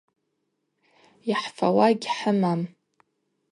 Йхӏфауа гьхӏымам.